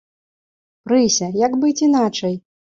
Прыся, як быць іначай?